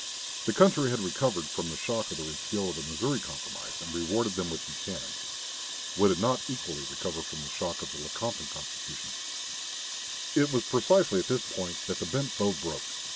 The country had recovered from the shock of the repeal of the Missouri Compromise, and rewarded them with Buchanan. Would it not equally recover from the shock of the Lecompton Constitution? It was precisely at this point that the bent bow broke.